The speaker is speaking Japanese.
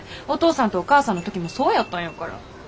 お父さんとお母さんの時もそうやったんやから。